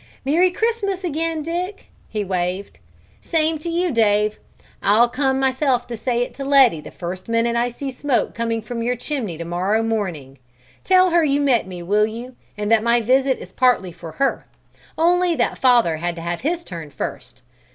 "Merry Christmas again, Dick!" he waved. "Same to you, Dave! I'll come myself to say it to Letty the first minute I see smoke coming from your chimney to morrow morning. Tell her you met me, will you, and that my visit is partly for her, only that father had to have his turn first.